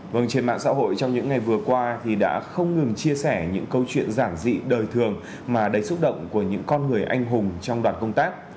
vâng trên mạng xã hội trong những ngày vừa qua thì đã không ngừng chia sẻ những câu chuyện giản dị đời thường mà đầy xúc động của những con người anh hùng trong đoàn công tác